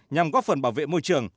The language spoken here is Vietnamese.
nhằm góp phần bảo vệ môi trường